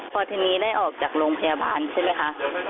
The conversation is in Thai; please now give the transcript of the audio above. พอทีนี้ได้ออกจากโรงพยาบาลใช่ไหมคะ